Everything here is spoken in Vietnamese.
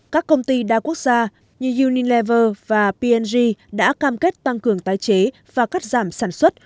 các công ty đa quốc gia như unilever và p g đã cam kết tăng cường tái chế và cắt giảm sản xuất